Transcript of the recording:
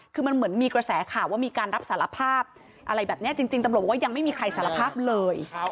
คือมันเหมือนมีกระแสข่าวว่ามีการรับสารภาพอะไรแบบนี้จริงตำรวจบอกว่ายังไม่มีใครสารภาพเลย